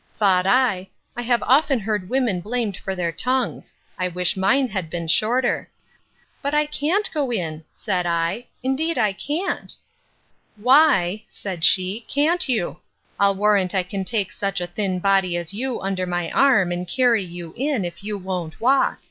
Thought I, I have often heard women blamed for their tongues; I wish mine had been shorter. But I can't go in, said I, indeed I can't!—Why, said she, can't you? I'll warrant I can take such a thin body as you under my arm, and carry you in, if you won't walk.